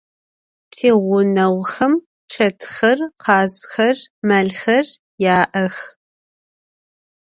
Tiğuneğuxem çetxer, khazxer, melxer ya'ex.